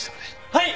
はい。